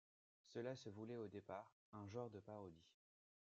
Cela se voulait au départ un genre de parodie.